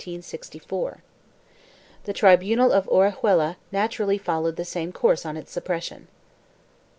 3 The tribunal of Orihuela naturally followed the same course on its suppression.